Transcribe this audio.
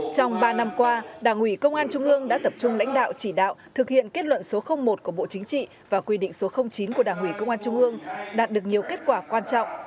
trong ba năm qua đảng ủy công an trung ương đã tập trung lãnh đạo chỉ đạo thực hiện kết luận số một của bộ chính trị và quy định số chín của đảng ủy công an trung ương đạt được nhiều kết quả quan trọng